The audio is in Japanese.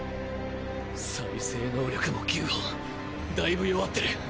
再生能力も牛歩だいぶ弱ってる。